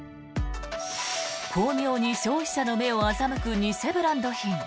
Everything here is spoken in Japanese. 巧妙に消費者の目を欺く偽ブランド品。